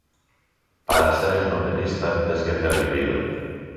Para seres novelista, tes que ter vivido.